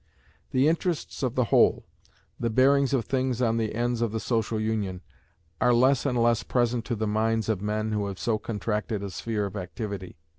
The interests of the whole the bearings of things on the ends of the social union are less and less present to the minds of men who have so contracted a sphere of activity.